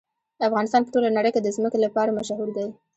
افغانستان په ټوله نړۍ کې د ځمکه لپاره مشهور دی.